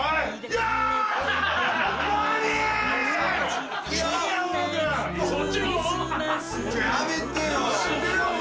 やめてよ。